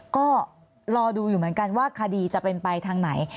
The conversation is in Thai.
ก็รอดูอยู่เหมือนกันว่าคดีจะเป็นไปทางไหน